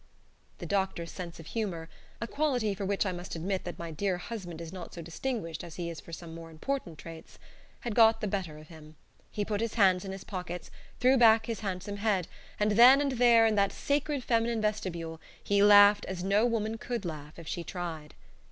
The doctor's sense of humor (a quality for which I must admit my dear husband is not so distinguished as he is for some more important traits) had got the better of him. He put his hands in his pockets, threw back his handsome head, and then and there, in that sacred feminine vestibule, he laughed as no woman could laugh if she tried.